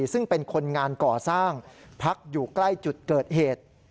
ซึ่งเป็นคนงานก่อสร้างพักอยู่ใกล้จุดเกิดเหตุ